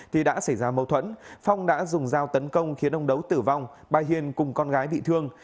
thì đã xảy ra mâu thuẫn phong đã dùng dao tấn công khiến ông đấu tử vong bà hiền cùng con gái bị thương